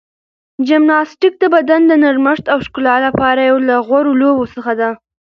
جمناستیک د بدن د نرمښت او ښکلا لپاره یو له غوره لوبو څخه ده.